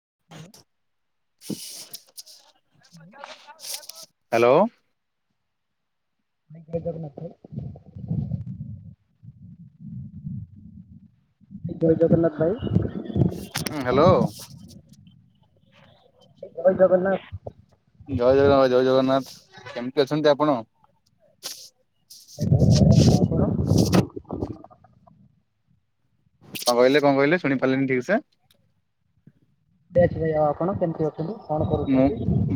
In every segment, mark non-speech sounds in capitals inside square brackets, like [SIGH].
[UNINTELLIGIBLE] [INAUDIBLE] Hello. କ [UNINTELLIGIBLE] ଜୟ ଜଗନ୍ନାଥ ଭାଇ। ହୁଁ ହ୍ୟାଲୋ। ଜୟ ଜଗନ୍ନାଥ। ଜୟ ଜଗନ୍ନାଥ ଜୟ ଜଗନ୍ନାଥ କେମିତି ଅଛନ୍ତି ଆପଣ। ଆଉ ଆପଣ? କଣ କହିଲେ କଣ କହିଲେ ଶୁଣି ପାରିଲିନି ଠିକ ସେ। [UNINTELLIGIBLE] କେମିତି ଅଛି? ମୁଁ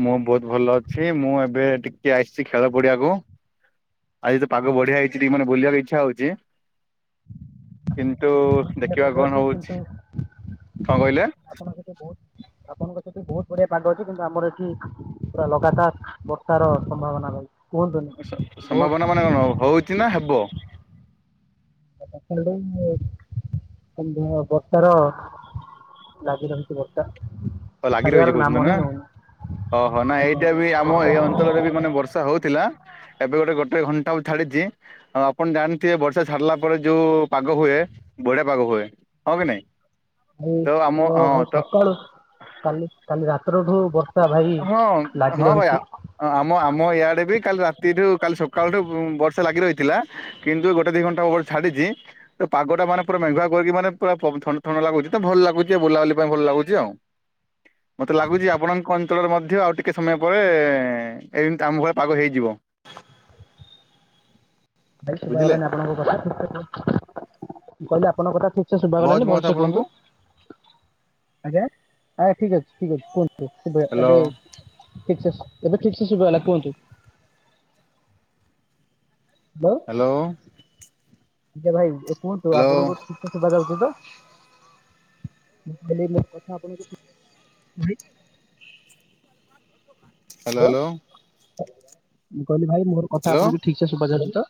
ମୁଁ ବହୁତୁ ଭଲ ଅଛି ମୁଁ ଏବେ ଟିକେ ଆସିଛି ଖେଳ ପଡିଆକୁ ଆଜି ତ ପାଗ ବଢିଆ ହେଇଛି ଟିକେ ମାନେ ବୁଲିବାକୁ ଇଚ୍ଛା ହଉଛି। କିନ୍ତୁ ଏ ଦେଖିବା ପାଗ କଣ ଅଛି ହଉଛି। କିନ୍ତୁ କଣ କହିଲେ? ଆପଣଙ୍କ ସହିତ ବହୁତ ଆପଣଙ୍କ ସେଠି ବହୁତ ବଢିଆ ପାାଗ ଅଛି। କିନ୍ତୁ ଆମର ଏଠି ପୁରା ଲଗାତାର ବର୍ଷାର ସମ୍ଭାବନା ରହିଛି। ସମ୍ଭାବନା ମାନେ କଣ ହଉଛି ନା ହେବ। [UNINTELLIGIBLE] ବର୍ଷାର ଲାଗି ରହିଁଛି ବର୍ଷା। ଲାଗି ଛାଡିବାର ରହିଛି କହୁଛନ୍ତି ନାମ ହିଁ ନା। ନଉନି। ଓହୋ ନା ଆଜ୍ଞା ଏଇଟା ବି ଆଜ୍ଞା ଆମ ଏଇ ବର୍ଷା ଅଞ୍ଚଳରେ ବି ମାନେ ବର୍ଷା ହଉଥିଲା। ଏବେ ଗୋଟେ ଗୋଟେ ଘଣ୍ଟା ଛାଡିଛି ଆଉ ଆପଣ ଜାଣିଥିବେ ବର୍ଷା ଛାଡିଲା ପରେ ଯୋଉ ପାଗ ହୁଏ। ବଢ଼ିଆ ପାଗ ହୁଏ ହଁ କି ନାଇଁ? ତ ଆମ ଭାଇ ହଁ ଭାଇ ତ ସକାଳୁ କାଲି କାଲି ରାତିରଠୁ ବର୍ଷ ହଁ ହଁ ଭାଇ ଆମ ଆ ମଁ ଇଆଡ଼େ ବି କାଲି ରାତିଠୁ କାଲି ସକାଳଠୁ ବର୍ଷା ଲାଗି ରହିଥିଲା କିନ୍ତୁ ଗୋଟେ ଦୁଇ ଘଣ୍ଟା ହବ ଛାଡ଼ିଛି। ତ ପାଗ ଟା ମାନେ ପୁରା ମେଘୁଆ କରିକି ମାନେ ପୁରା ଥଣ୍ଡା ଥଣ୍ଡା ଲାଗୁଛି ତ ଭଲ ଲାଗୁଛି ବୁଲାବୁଲି ପାଇଁ ଭଲ ଲାଗୁଛି। ଆଉ [INAUDIBLE] ମତେ ଲାଗୁଛି ଆପଣଙ୍କ ଅଞ୍ଚଳରେ ମଧ୍ୟ ଆଉ ଟିକେ ସମୟ ପରେ ଏମିତି ଆମ ଭଳି ପାଗ ହେଇଯିବ। [INAUDIBLE] ଭାଇ ସୁବା ବୁଝିଲେ ହେଲାନି ଆପଣଙ୍କ କଥା ଠିକ [UNINTELLIGIBLE] ମୁଁ କହିଲି ଆପଣଙ୍କ କଥା ଠିକ ଠିକ ସେ ସୁବା ଶୁଭାଯାଉଛି ହେଲାନି ମୋ କଥା ଭଲସେ ଆପଣଙ୍କୁ କୁହନ୍ତୁ ଆଜ୍ଞା ହଁ ଠିକ ଅଛି ଠିକ ଅଛି କୁହନ୍ତୁ। ଏବେ ହ୍ୟାଲୋ ଏବେ ଠିକସେ ଏବେ ଠିକ ସେ ସୁବା ହେଲା କୁହନ୍ତୁ। ହ୍ୟାଲୋ। ଆଜ୍ଞା ଭାଇ ଏ କୁହନ୍ତୁ ହ୍ୟାଲୋ ହ୍ୟାଲୋ ଆପଣଙ୍କୁ ଠିକ ସୁବା ଯାଉଛି ତ। [UNINTELLIGIBLE] କଥା ଆପଣ ହ୍ୟାଲୋ ହ୍ୟାଲୋ ମୁଁ କହିଲି ଭାଇ ମୋର କଥା ଆପଣଙ୍କୁ ଠିକସେ ସୁବା ଯାଉଚି ତ?